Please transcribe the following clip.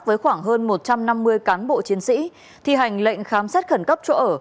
với khoảng hơn một trăm năm mươi cán bộ chiến sĩ thi hành lệnh khám xét khẩn cấp chỗ ở